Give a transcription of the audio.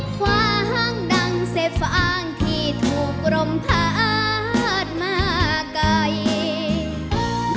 คว้างดังเสฟอ้างที่ถูกรมพาดมาไกล